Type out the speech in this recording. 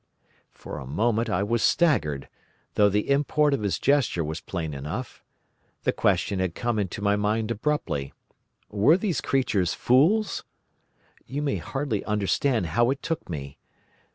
"For a moment I was staggered, though the import of his gesture was plain enough. The question had come into my mind abruptly: were these creatures fools? You may hardly understand how it took me.